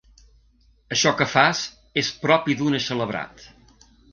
Això que fas és propi d'un eixelebrat.